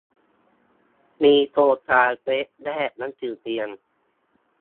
มีโครงการเว็บแลกหนังสือเรียน